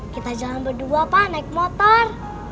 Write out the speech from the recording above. kita jalan berdua pak naik motor